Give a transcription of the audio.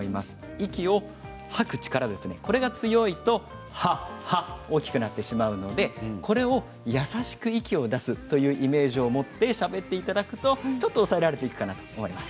息を吐く力、これが強いと大きくなってしまうので優しく息を出すというイメージを持ってしゃべっていただくとちょっと押さえられていいかなと思います。